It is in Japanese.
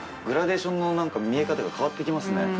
グラデーションの見え方が変わって来ますね。